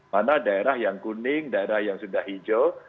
mana daerah yang kuning daerah yang sudah hijau